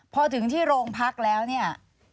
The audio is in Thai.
พอถึงที่โรงพักแล้วเนี่ย